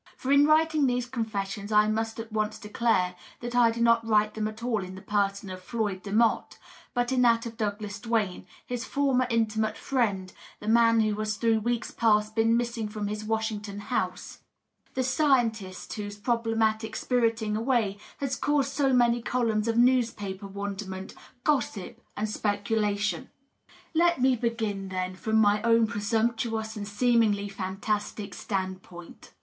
For in writing these confessions I must at once declare that I do not write them at all in the person of Floyd Demotte, but in that of Douglas Duane, his former intimate friend, the man who has through weeks past been missing from his Washington home — the scientist whose problematical 548 DOUGLAS DUANE. spiriting away has caused so many columns of newspaper wonderment, gossip and speculation. Let me begin, then, from my own presumptuous and seemingly fantastic stand point.